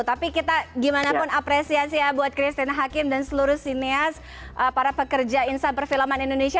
tapi kita gimana pun apresiasi ya buat christine hakim dan seluruh sinias para pekerja insa perfilman indonesia